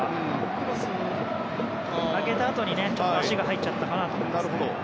クロス上げたあとに足が入っちゃったかなと思いますね。